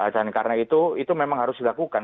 dan karena itu memang harus dilakukan